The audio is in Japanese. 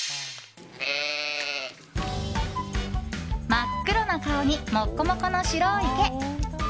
真っ黒な顔にモコモコの白い毛。